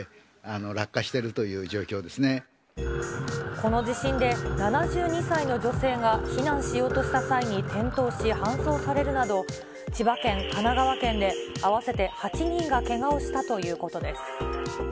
この地震で７２歳の女性が避難しようとした際に転倒し搬送されるなど、千葉県、神奈川県で合わせて８人がけがをしたということです。